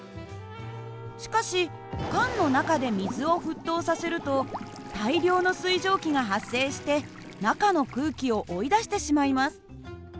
しかし缶の中で水を沸騰させると大量の水蒸気が発生して中の空気を追い出してしまいます。